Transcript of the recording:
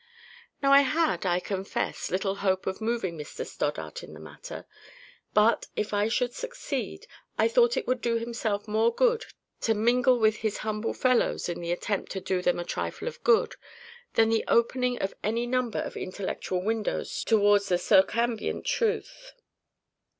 Now I had, I confess, little hope of moving Mr Stoddart in the matter; but if I should succeed, I thought it would do himself more good to mingle with his humble fellows in the attempt to do them a trifle of good, than the opening of any number of intellectual windows towards the circumambient truth.